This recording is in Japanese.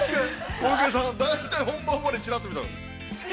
小池さん、大体本番終わり、ちらっと見たら。